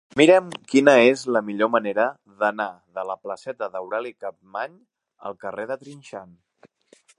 Mira'm quina és la millor manera d'anar de la placeta d'Aureli Capmany al carrer de Trinxant.